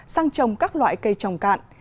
sang trồng các loại cây trồng cạn